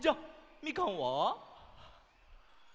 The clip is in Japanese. みかんは。